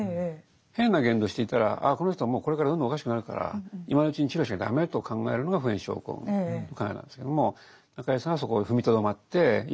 変な言動をしていたらこの人はもうこれからどんどんおかしくなるから今のうちに治療しなきゃ駄目と考えるのが普遍症候群の考えなんですけども中井さんはそこを踏みとどまっていや